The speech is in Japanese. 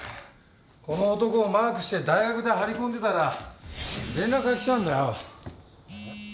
この男をマークして大学で張り込んでたら連絡が来たんだよ。